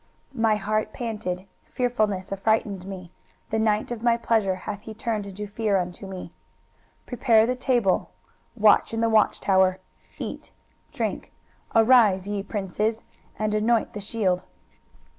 23:021:004 My heart panted, fearfulness affrighted me: the night of my pleasure hath he turned into fear unto me. 23:021:005 Prepare the table, watch in the watchtower, eat, drink: arise, ye princes, and anoint the shield.